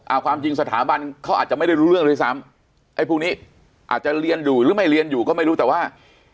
ความจริงสถาบันเขาอาจจะไม่ได้รู้เรื่องด้วยซ้ำไอ้พวกนี้อาจจะเรียนอยู่หรือไม่เรียนอยู่ก็ไม่รู้แต่ว่า